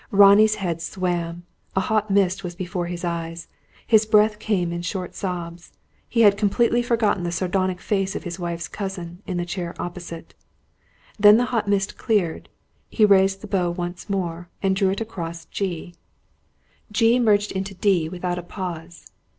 Ronnie's head swam. A hot mist was before his eyes. His breath came in short sobs. He had completely forgotten the sardonic face of his wife's cousin, in the chair opposite. Then the hot mist cleared. He raised the bow once more, and drew it across G. G merged into D without a pause.